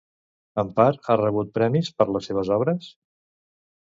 Empar ha rebut premis per les seves obres?